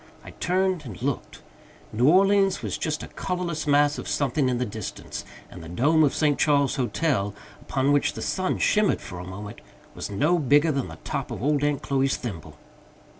I turned and looked. New Orleans was just a colorless mass of something in the distance, and the dome of the St. Charles Hotel, upon which the sun shimmered for a moment, was no bigger than the top of old Aunt Chloe's thimble.